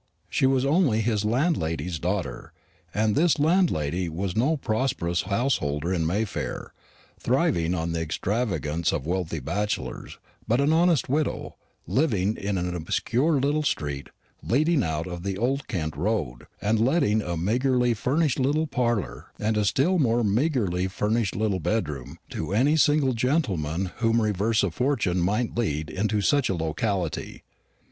She was only his landlady's daughter; and his landlady was no prosperous householder in Mayfair, thriving on the extravagance of wealthy bachelors, but an honest widow, living in an obscure little street leading out of the Old Kent road, and letting a meagrely furnished little parlour and a still more meagrely furnished little bedroom to any single gentleman whom reverse of fortune might lead into such a locality.